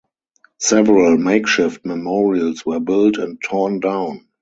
Several makeshift memorials were built and torn down.